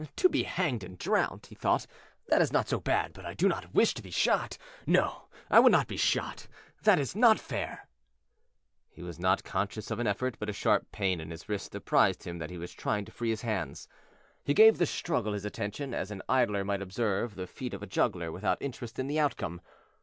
"To be hanged and drowned," he thought, "that is not so bad; but I do not wish to be shot. No; I will not be shot; that is not fair." He was not conscious of an effort, but a sharp pain in his wrist apprised him that he was trying to free his hands. He gave the struggle his attention, as an idler might observe the feat of a juggler, without interest in the outcome.